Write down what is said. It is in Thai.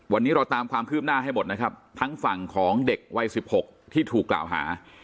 วันนี้เราตามความคืบหน้าให้หมดนะครับทั้งฝั่งของเด็กวัย๑๖ที่ถูกกล่าวหา